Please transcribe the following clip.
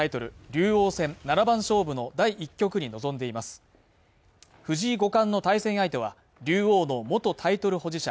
竜王戦７番勝負の第１局に臨んでいます藤井五冠の対戦相手は竜王の元タイトル保持者